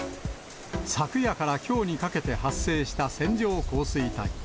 昨夜からきょうにかけて発生した線状降水帯。